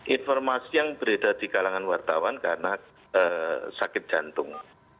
informasi yang beredar di kalangan wartawan karena sakit jantung